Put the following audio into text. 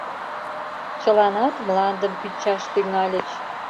Чыланат мландым кӱнчаш тӱҥальыч.